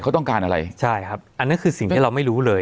เขาต้องการอะไรใช่ครับอันนั้นคือสิ่งที่เราไม่รู้เลย